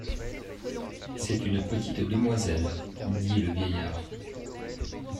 C'est une petite demoiselle, dit le vieillard.